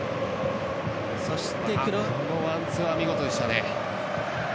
ワンツーは見事でしたね。